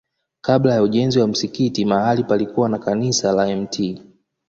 Kabla ya ujenzi wa msikiti mahali palikuwa na kanisa la Mt.